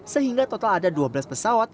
sehingga total ada dua belas pesawat